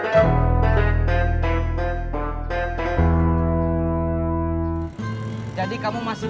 prima titik demonstrating